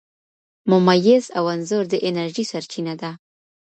ممیز او انځر د انرژۍ سرچینه ده.